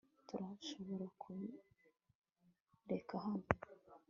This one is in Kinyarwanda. Turashobora kubireka hano